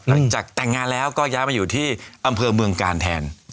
หลังจากแต่งงานแล้วก็ย้ายมาอยู่ที่อำเภอเมืองกาลแทน